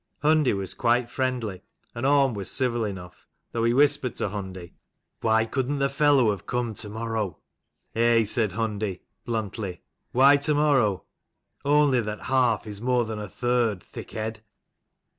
Hundi was quite friendly, and Orm was civil enough ; though he whispered to Hundi "Why couldn't the fellow 150 have come to morrow?" "Eh?" said Hundi, bluntly. "Why to morrow?" "Only that half is more than a third, thickhead."